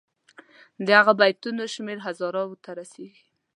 د هغو بیتونو شمېر زرهاوو ته رسيږي.